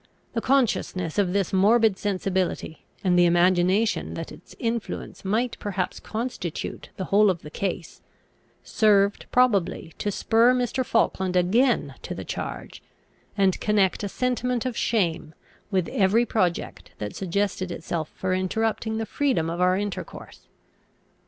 The consciousness of this morbid sensibility, and the imagination that its influence might perhaps constitute the whole of the case, served probably to spur Mr. Falkland again to the charge, and connect a sentiment of shame, with every project that suggested itself for interrupting the freedom of our intercourse.